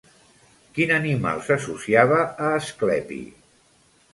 Quin animal s'associava a Asclepi?